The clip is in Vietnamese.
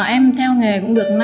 em theo nghề